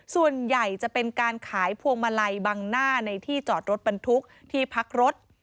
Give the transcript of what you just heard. ส่วนใหญ่จะเป็นการขายพวงมาลัยบังหน้าในที่จอดรถบรรทุกที่พักรถ